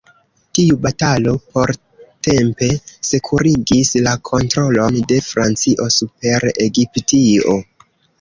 Tiu batalo portempe sekurigis la kontrolon de Francio super Egiptio.